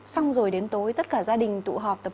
xong rồi đến tối tất cả gia đình tụ họp tập